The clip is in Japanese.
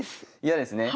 嫌ですね。